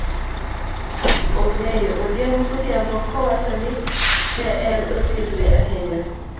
ong'eyo, odhiambo kodhiambo, kowacho ni ne en osiepne ahinya.